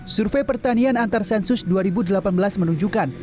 survei pertanian antar sensus dua ribu delapan belas menunjukkan